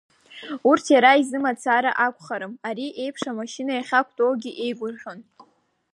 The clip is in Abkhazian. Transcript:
Урҭ иара изы мацара акәхарым, ари еиԥш амашьына иахьақәтәоугьы еигәырӷьон…